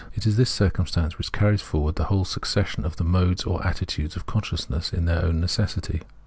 It is this circumstance which carries forward the whole succession of the modes or attitudes of consciousness in their own necessity.